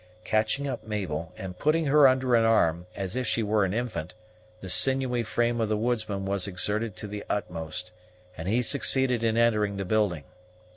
Catching up Mabel, and putting her under an arm, as if she were an infant, the sinewy frame of the woodsman was exerted to the utmost, and he succeeded in entering the building.